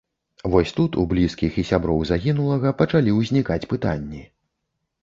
Вось тут у блізкіх і сяброў загінулага пачалі ўзнікаць пытанні.